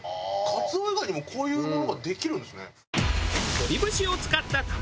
カツオ以外にもこういうものができるんですね。